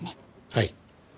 はい。